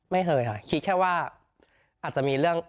ไม่เคยค่ะคิดแค่ว่าอาจจะมีเรื่อง